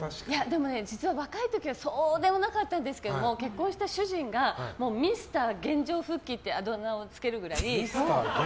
でもね、実は若い時はそうでもなかったんですけども結婚して主人がミスター原状復帰ってあだ名をつけるぐらい。